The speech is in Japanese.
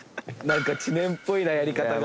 知念っぽいなやり方が。